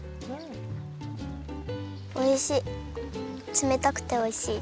つめたくておいしい。